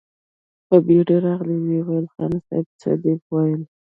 په بېړه راغی، ويې ويل: خان صيب! څه دې ويل؟